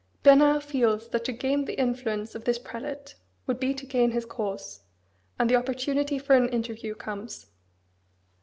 Bernard feels that to gain the influence of this prelate would be to gain his cause; and the opportunity for an interview comes.